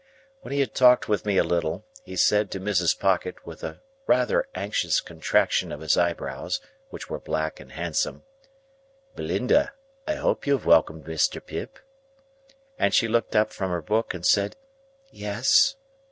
When he had talked with me a little, he said to Mrs. Pocket, with a rather anxious contraction of his eyebrows, which were black and handsome, "Belinda, I hope you have welcomed Mr. Pip?" And she looked up from her book, and said, "Yes."